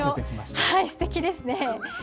すてきですね。